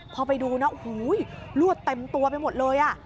พอไปดูนะหูยรวดเต็มตัวไปหมดเลย